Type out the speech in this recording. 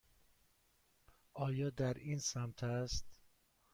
آیا در این سمت است؟